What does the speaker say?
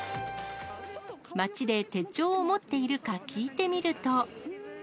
街で手帳を持っているか聞いてみると。